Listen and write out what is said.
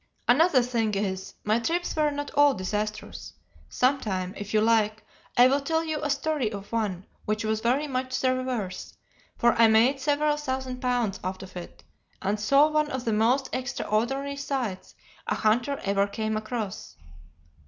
Another thing is, my trips were not all disastrous. Some time, if you like, I will tell you a story of one which was very much the reverse, for I made several thousand pounds out of it, and saw one of the most extraordinary sights a hunter ever came across.